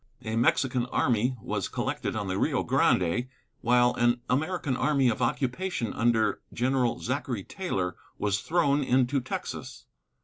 A Mexican army was collected on the Rio Grande, while an American army of occupation under General Zachary Taylor was thrown into Texas.